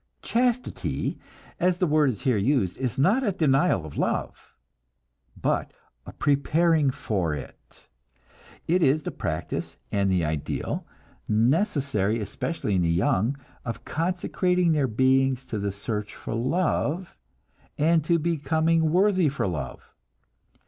Chastity, as the word is here used, is not a denial of love, but a preparing for it; it is the practice and the ideal, necessary especially in the young, of consecrating their beings to the search for love, and to becoming worthy for love.